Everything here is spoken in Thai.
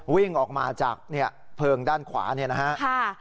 วิ่งออกมาจากเนี่ยเพลิงด้านขวาเนี่ยณค่ะ